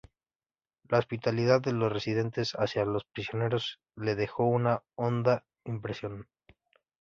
La hospitalidad de los residentes hacia los prisioneros le dejó una honda impresión.